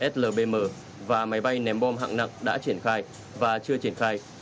slbm và máy bay ném bom hạng nặng đã triển khai và chưa triển khai